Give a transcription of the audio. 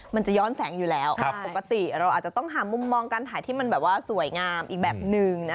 มันจะย้อนแสงอยู่แล้วปกติเราอาจจะต้องหามุมมองการถ่ายที่มันแบบว่าสวยงามอีกแบบนึงนะ